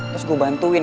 terus gue bantuin